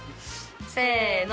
せの！